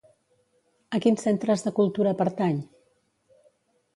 A quins centres de cultura pertany?